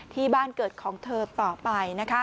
ที่บ้านเกิดของเธอต่อไป